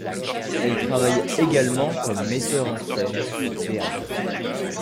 Elle travaille également comme metteur en scène au théâtre.